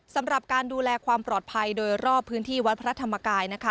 สำหรับการดูแลความปลอดภัยโดยรอบพื้นที่วัดพระธรรมกายนะคะ